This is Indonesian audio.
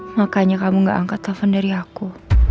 makanya kamu gak angkat telepon dari aku